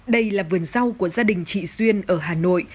đây là vườn rau của gia đình trị duyên ở hà nội